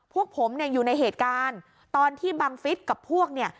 พวกผมเนี่ยอยู่ในเหตุการณ์ตอนที่บังฟิศกับพวกเนี่ย